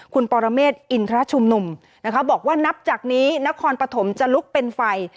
คุณปรเมฆอินทรชุมนุมนะคะบอกว่านับจากนี้นครปฐมจะลุกเป็นไฟ